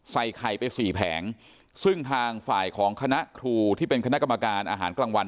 ใส่ไข่ไปสี่แผงซึ่งทางฝ่ายของคณะครูที่เป็นคณะกรรมการอาหารกลางวัน